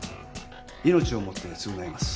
命をもって償います」。